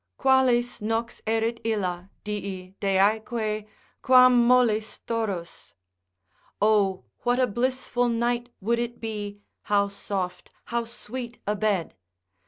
Qualis nox erit illa, dii, deaeque, Quam mollis thorus? O what a blissful night would it be, how soft, how sweet a bed!